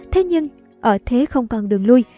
thế nhưng ở thế không còn đường lui